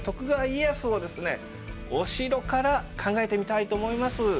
お城から考えてみたいと思います。